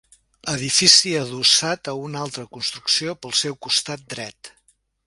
Edifici adossat a una altra construcció pel seu costat dret.